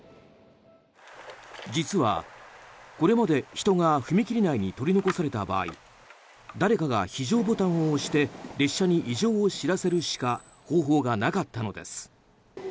実は、これまで人が踏切内に取り残された場合誰かが非常ボタンを押して列車に異常を知らせるしか方法がなかったのです。